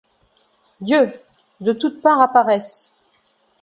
Dieu ! de toutes parts apparaissent